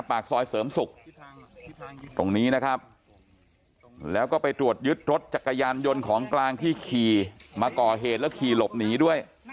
ปากซอยเสริมศุกร์ตรงนี้นะครับแล้วก็ไปตรวจยึดรถจักรยานยนต์ของกลางที่ขี่มาก่อเหตุแล้วขี่หลบหนีด้วย